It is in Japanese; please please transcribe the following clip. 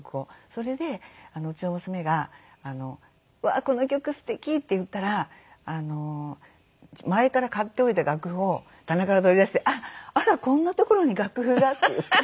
それでうちの娘が「うわー！この曲素敵！」って言ったら前から買っておいた楽譜を棚から取り出して「あらこんな所に楽譜が」って言って。